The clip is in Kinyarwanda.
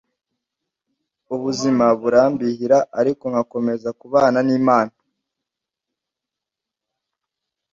ubuzima burambihira ariko nkakomeza kubana n’Imana